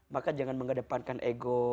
maka jangan mengedepankan ego